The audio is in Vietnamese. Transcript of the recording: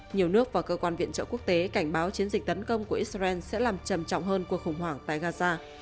nhiều nước và cơ quan viện trợ quốc tế cảnh báo chiến dịch tấn công của israel sẽ làm trầm trọng hơn cuộc khủng hoảng tại gaza